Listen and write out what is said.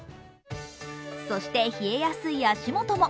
そして、冷えやすい足元も。